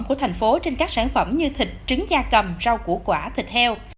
của tp hcm trên các sản phẩm như thịt trứng da cầm rau củ quả thịt heo